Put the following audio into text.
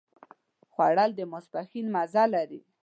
خوړل د ماسپښين مزه لري